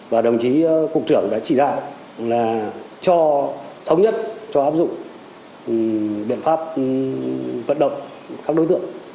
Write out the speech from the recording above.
và đồng chí cục trưởng đã chỉ đạo là cho thống nhất cho áp dụng biện pháp vận động các đối tượng